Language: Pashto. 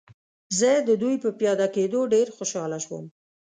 زه د دوی په پیاده کېدو ډېر خوشحاله شوم.